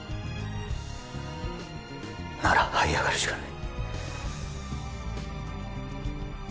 なら這い上がるしかない